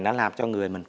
nó làm cho người mình